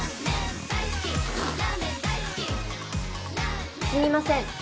すみません。